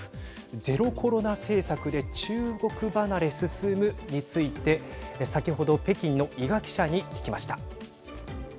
ゼロコロナ政策で中国離れ進むについて先ほど北京の伊賀記者に聞きました。